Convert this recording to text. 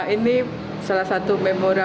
ini salah satu memora